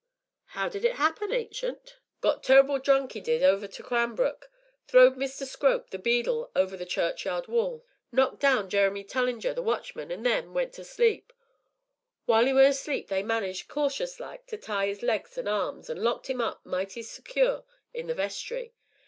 '" "How did it happen, Ancient?" "Got tur'ble drunk, 'e did, over to Cranbrook throwed Mr. Scrope, the Beadle, over the churchyard wall knocked down Jeremy Tullinger, the Watchman, an' then went to sleep. While 'e were asleep they managed, cautious like, to tie 'is legs an' arms, an' locked 'im up, mighty secure, in the vestry.